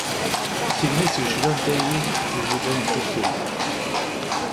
Deg tegnit yecban-tagi, iwwi-d ad neddukel.